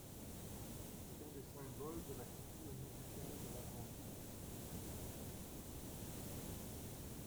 C'est un des symboles de la culture musicale de l'Argentine.